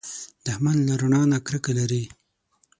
دښمن له رڼا نه کرکه لري